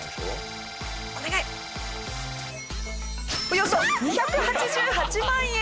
およそ２８８万円。